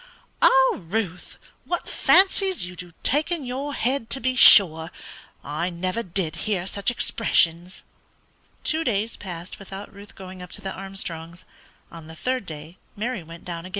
"Lord, Ruth, what fancies you do take in your head, to be sure! I never did hear such expressions!" Two days passed without Ruth going up to the Armstrongs'; on the third day Mary again went down.